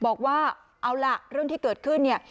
บอกว่าเอาล่ะเรื่องที่เกิดขึ้นเนี่ย